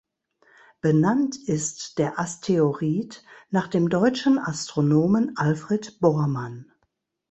Benannt ist der Asteroid nach dem deutschen Astronomen Alfred Bohrmann.